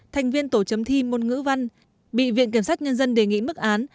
thành viên tổ chấm thi môn ngữ văn bị viện kiểm sát nhân dân đề nghị mức án